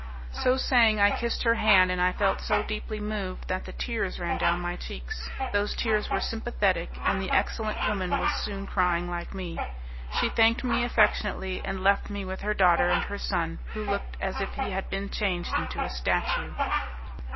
So saying I kissed her hand, and I felt so deeply moved that the tears ran down my cheeks. Those tears were sympathetic, and the excellent woman was soon crying like me. She thanked me affectionately, and left me with her daughter and her son, who looked as if he had been changed into a statue.